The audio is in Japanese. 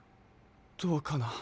どうかな？